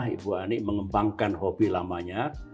ibu ani mengembangkan hobi lamanya